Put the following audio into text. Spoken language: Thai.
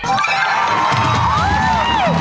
โอ้ยยยยย